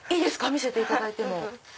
見せていただいて。